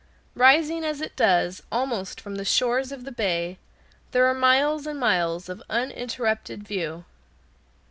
Rising as it does almost from the shores of the bay, there are miles and miles of uninterrupted view.